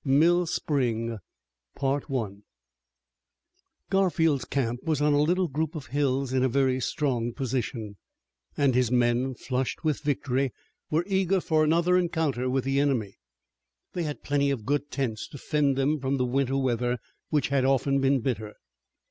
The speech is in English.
MILL SPRING Garfield's camp was on a little group of hills in a very strong position, and his men, flushed with victory, were eager for another encounter with the enemy. They had plenty of good tents to fend them from the winter weather which had often been bitter.